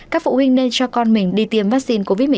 các phụ huynh nên cho con mình đi tiêm vaccine covid một mươi chín